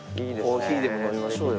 コーヒーでも飲みましょうよ。